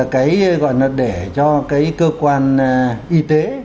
cái gọi là để cho cái cơ quan y tế